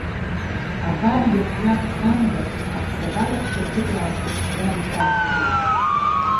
Абар Иаҳиа Бзанба аԥсабара дшазыҟоу аазырԥшуа деталькгьы…